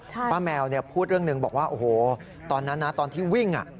ป้าแมวพูดเรื่องหนึ่งบอกว่าโอ้โหตอนนั้นนะตอนที่วิ่ง